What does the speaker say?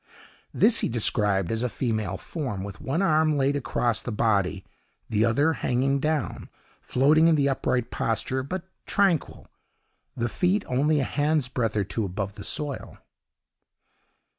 This he described as a female form, with one arm laid across the body, the other hanging down, floating in the upright posture, but tranquil, the feet only a hand breadth or two above the soil.